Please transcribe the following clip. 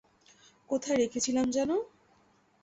কোথায় রেখেছিলাম যেন?